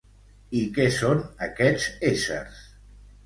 I què són aquests éssers?